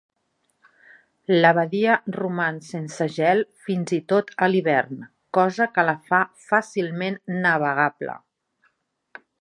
La badia roman sense gel fins i tot a l'hivern, cosa que la fa fàcilment navegable.